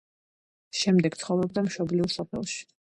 შემდეგ ცხოვრობდა მშობლიურ სოფელში.